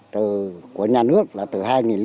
từ của nhà nước là từ hai nghìn một mươi